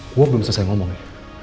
gue belum selesai ngomong ya